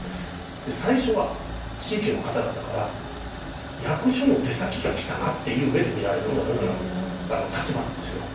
最初は地域の方々から「役所の手先が来たな」っていう目で見られるのが僕らの立場なんですよ。